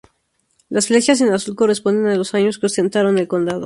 Las fechas en azul corresponden a los años que ostentaron el condado.